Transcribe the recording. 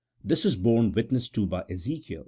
This is borne witness to by Ezekiel xx.